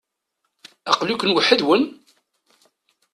Aqli-ken weḥd-nwen?